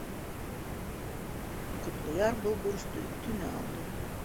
Ҡотлояр был бурысты өҫтөнә алды: